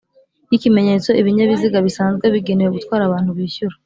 Y ikimenyetso ibinyabiziga bisanzwe bigenewe gutwara abantu bishyura